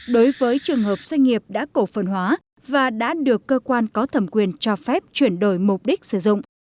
đối với trường hợp doanh nghiệp đã cổ phần hóa và đã được cơ quan có thẩm quyền cho phép chuyển đổi mục đích sử dụng